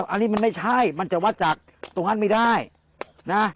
อันนี้มันไม่ใช่มันจะวัดจากตรงนั้นไม่ได้นะ